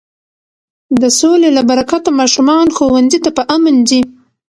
د سولې له برکته ماشومان ښوونځي ته په امن ځي.